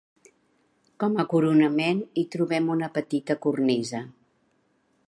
Com a coronament hi trobem una petita cornisa.